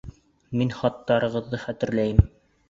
Мин хаттарығыҙҙы хәтерләйем.